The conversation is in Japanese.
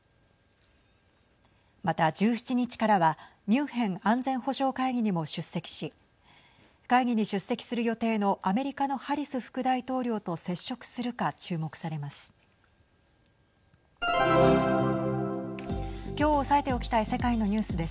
また１７日からはミュンヘン安全保障会議にも出席し会議に出席する予定のアメリカのハリス副大統領と接触するか注目されます。